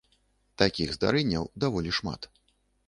Такіх здарэнняў даволі шмат.